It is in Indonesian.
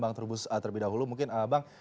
bang terubus terlebih dahulu mungkin bang